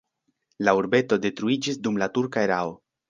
La urbeto detruiĝis dum la turka erao.